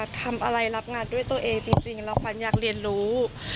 ทำอะไรรับงานด้วยตัวเองจริงแล้วขวัญอยากเรียนรู้